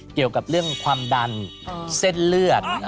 เกี่ยวกับเรื่องความดันเส้นเลือด